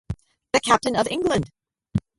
The captain of England!